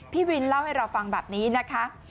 พี่วินเล่าให้เราฟังแบบนี้นะคะ